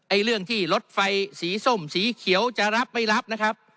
เรื่องที่รถไฟสีส้มสีเขียวจะรับไม่รับนะครับ